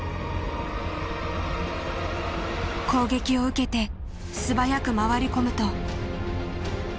攻撃を受けて素早く回り込むと。